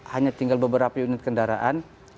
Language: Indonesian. hanya tinggal beberapa unit kendaraan